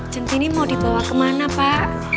sentini mau dibawa ke mana pak